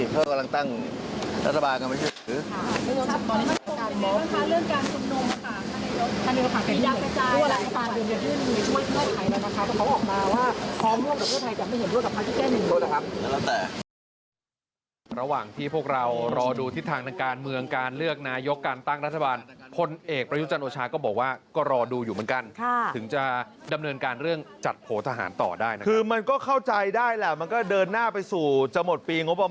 พร้อมร่วมกับเรื่องไทยจังไม่เห็นร่วมกับคราวที่แก้หนึ่ง